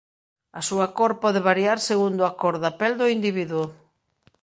A súa cor pode variar segundo a cor da pel do individuo.